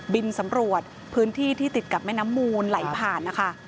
บินสำรวจพื้นที่ที่ติดกับแม่น้ำมูลไหลผ่านนะคะ